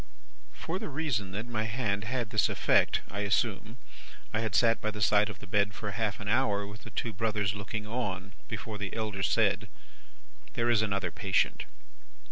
"For the reason that my hand had this effect (I assume), I had sat by the side of the bed for half an hour, with the two brothers looking on, before the elder said: "'There is another patient.